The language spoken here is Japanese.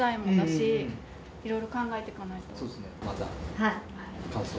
はい。